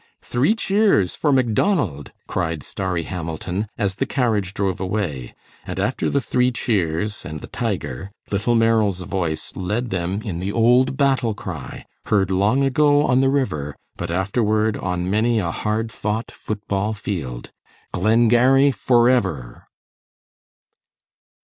"Three cheers for Macdonald!" cried Starry Hamilton, as the carriage drove away, and after the three cheers and the tiger, little Merrill's voice led them in the old battle cry, heard long ago on the river, but afterward on many a hard fought foot ball field, "Glengarry forever!"